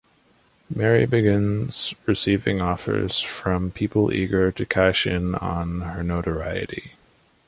Mary begins receiving offers from people eager to cash in on her notoriety.